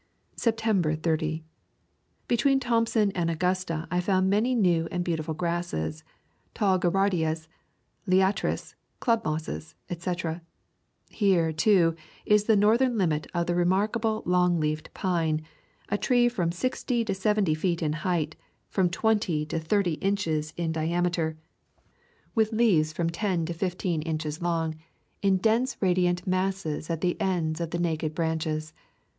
September 30. Between Thomson and Augusta I found many new and beautiful grasses, tall gerardias, liatris, club mosses, etc. Here, too, is the northern limit of the remarkable long leafed pine, a tree from sixty to seventy feet in height, from twenty to thirty inches in [ 54 ] A SOUTHERN PINE River Country of Georgia diameter, with leaves ten to fifteen inches long, in dense radiant masses at the ends of the naked branches.